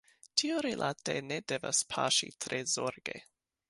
Tiurilate ni devas paŝi tre zorge.